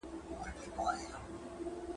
جاله هم سوله پر خپل لوري روانه !.